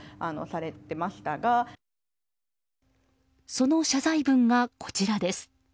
その謝罪文が、こちらです。